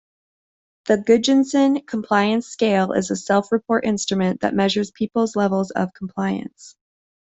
The Gudjonsson Compliance Scale is a self-report instrument that measures peoples' levels of compliance.